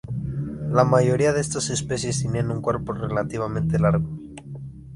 La mayoría de estas especies tenían un cuerpo relativamente largo.